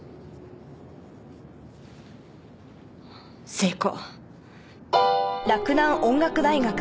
成功。